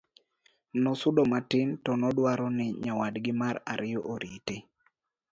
nosudo matin to nodwaro ni nyawadgi mar ariyo orite